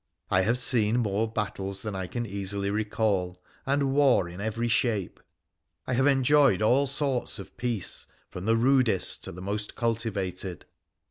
I have seen more battles than I can easily recall, and war in every shape ; I have enjoyed all sorts of peace, from the rudest to the most cultivated.